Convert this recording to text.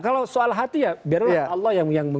kalau soal hati ya biarlah allah yang